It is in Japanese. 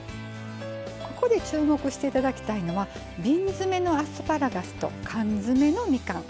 ここで注目していただきたいのは瓶詰めのアスパラガスと缶詰のみかん。